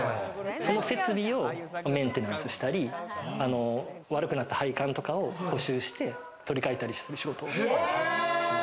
その設備をメンテナンスしたり、悪くなった配管とかを補修して、取り替えたりする仕事。